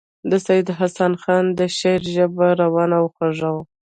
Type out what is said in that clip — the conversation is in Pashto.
د سید حسن خان د شعر ژبه روانه او خوږه وه.